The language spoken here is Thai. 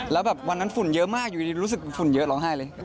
แล้วแบบวันนั้นฝุ่นเยอะมากอยู่ดีรู้สึกฝุ่นเยอะร้องไห้เลย